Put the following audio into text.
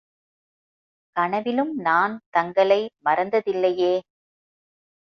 கனவிலும் நான் தங்களை மறந்ததில்லையே!